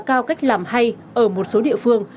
cao cách làm hay ở một số địa phương